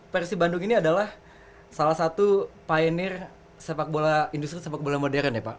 persib bandung ini adalah salah satu pionir sepak bola industri sepak bola modern ya pak